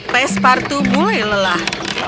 pes partu mulai lelah